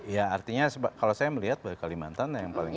iya artinya kalau saya melihat kalimantan yang paling tepat